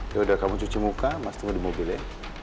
ya udah kamu cuci muka mas tunggu di mobil ya